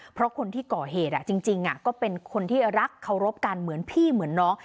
เพราะคนที่ก่อเหตุจริงก็เป็นคนที่รักเคารพกันเหมือนพี่เหมือนน้อง